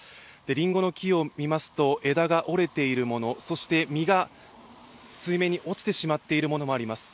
りんごの木を見ますと、枝が折れているもの、そして実が水面に落ちてしまっているものもあります。